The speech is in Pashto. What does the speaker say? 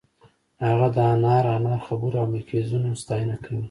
هغه د انار انار خبرو او مکیزونو ستاینه کوي